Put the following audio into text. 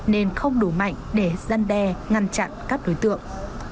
nên không đủ mạnh để gian đe ngăn chặn các đối tượng